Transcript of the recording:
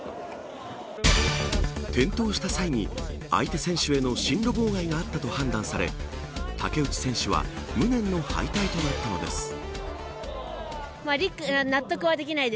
転倒した際に、相手選手への進路妨害があったと判断され竹内選手は無念の敗退となったのです。